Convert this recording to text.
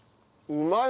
うまい。